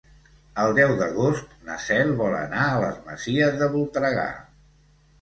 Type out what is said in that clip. El deu d'agost na Cel vol anar a les Masies de Voltregà.